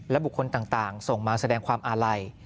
บุคคลต่างส่งมาแสดงความอาลัย